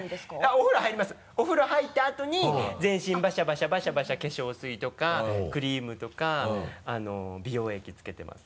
お風呂入りますお風呂入った後に全身バシャバシャバシャバシャ化粧水とかクリームとか美容液つけてます。